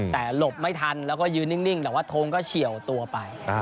แต่หลบไม่ทันแล้วก็ยืนนิ่งแต่ว่าทงก็เฉียวตัวไป